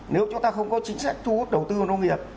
nếu chúng ta không có chính sách thu hút đầu tư vào nông nghiệp